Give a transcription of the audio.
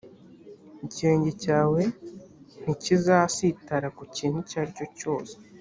ikirenge cyawe ntikizasitara ku kintu icyo ari cyo